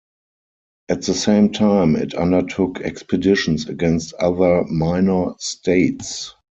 At the same time, it undertook expeditions against other minor states.